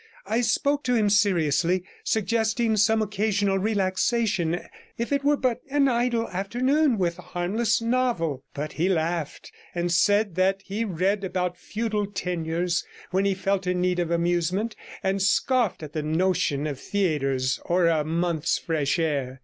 I spoke to him seriously, suggesting some occasional relaxation, if it were but an idle afternoon with a harmless novel; but he laughed, and said that he read about feudal tenures when he felt in need of amusement, and scoffed at the notions of theatres, or a month's fresh air.